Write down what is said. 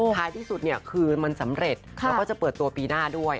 ท้ายที่สุดเนี่ยคืนมันสำเร็จแล้วก็จะเปิดตัวปีหน้าด้วย